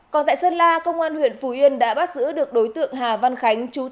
còn tại sơn la công an huyện phù yên đã bắt giữ được đối tượng hà văn khánh